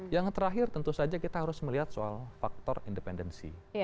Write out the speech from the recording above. yang terakhir tentu saja kita harus melihat soal faktor independensi